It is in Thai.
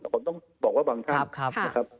ผมต้องบอกว่าบางท่าน